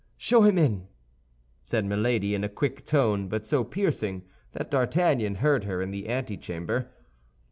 "Show him in," said Milady, in a quick tone, but so piercing that D'Artagnan heard her in the antechamber.